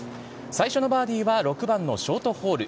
最初のバーディーは６番のショートホール。